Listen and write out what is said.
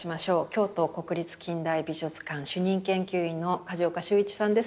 京都国立近代美術館主任研究員の梶岡秀一さんです。